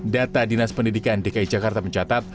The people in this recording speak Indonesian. data dinas pendidikan dki jakarta mencatat